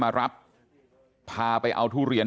คือผู้ตายคือวู้ไม่ได้ยิน